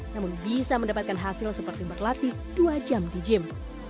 namun bisa mendapatkan hasil seperti berlatih dua jam di gym